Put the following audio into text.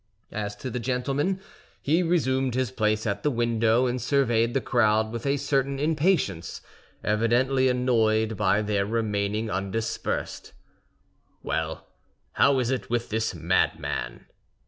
As to the gentleman, he resumed his place at the window, and surveyed the crowd with a certain impatience, evidently annoyed by their remaining undispersed. "Well, how is it with this madman?"